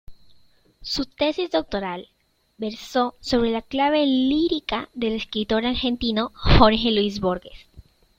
Su tesis doctoral versó sobre la clave lírica del escritor argentino Jorge Luis Borges.